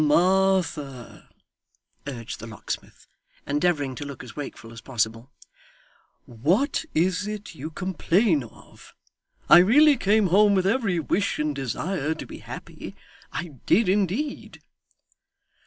'Martha,' urged the locksmith, endeavouring to look as wakeful as possible, 'what is it you complain of? I really came home with every wish and desire to be happy. I did, indeed.